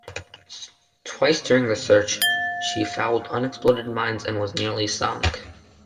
Twice during the search she fouled unexploded mines and was nearly sunk.